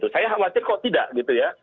saya khawatir kalau tidak gitu ya